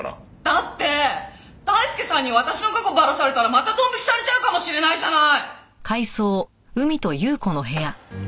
だって大輔さんに私の過去バラされたらまたドン引きされちゃうかもしれないじゃない！